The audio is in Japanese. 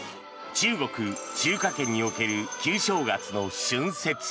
中国、中華圏における旧正月の春節。